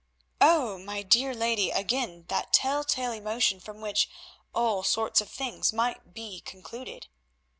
"Oh! my dear lady, again that tell tale emotion from which all sorts of things might be concluded.